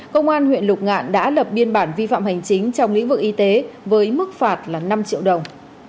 công an huyện lục ngạn đã lập biên bản vi phạm hành chính trong lĩnh vực y tế với mức phạt là năm triệu đồng